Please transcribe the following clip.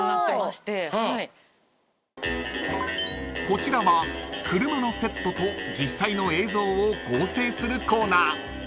［こちらは車のセットと実際の映像を合成するコーナー］